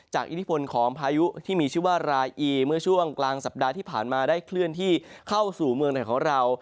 อิทธิพลของพายุที่มีชื่อว่ารายอีเมื่อช่วงกลางสัปดาห์ที่ผ่านมาได้เคลื่อนที่เข้าสู่เมืองไหนของเรา